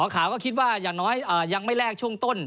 ขาวก็คิดว่าอย่างน้อยยังไม่แลกช่วงต้น